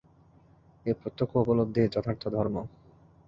এই প্রত্যক্ষ উপলব্ধিই যথার্থ ধর্ম।